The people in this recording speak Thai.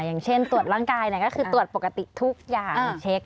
อย่างเช่นตรวจร่างกายก็คือตรวจปกติทุกอย่างเช็ค